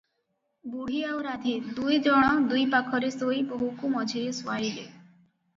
ବୁଢୀ ଆଉ ରାଧୀ ଦୁଇ ଜଣ ଦୁଇ ପାଖରେ ଶୋଇ ବୋହୂକୁ ମଝିରେ ଶୁଆଇଲେ ।